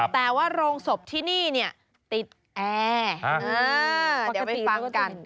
แต่ว่าโรงศพที่นี่เนี่ยติดแอร์